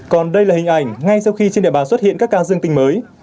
còn đây là hình ảnh ngay sau khi trên địa bàn xuất hiện các ca dương tình mới